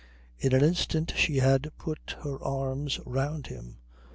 In an instant she had put her arms round him.